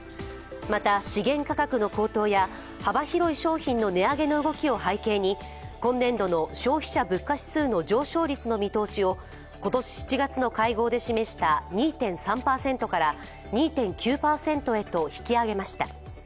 また、資源価格の高騰や幅広い商品の値上げの動きを背景に今年度の消費者物価指数の上昇率の見通しを、今年７月の会合で示した２．３％から２．９％へと引き上げました。